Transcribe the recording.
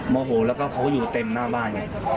โมโหแล้วเขาก็อยู่เต็มหน้าบ้านเนี่ย